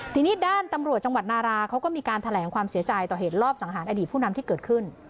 ทีนี้ด้านตำรวจจังหวัดนาราเขาก็มีการแถลงความเสียใจต่อเหตุรอบสังหารอดีตผู้นำที่เกิดขึ้น